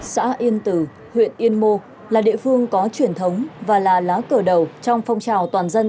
xã yên tử huyện yên mô là địa phương có truyền thống và là lá cờ đầu trong phong trào toàn dân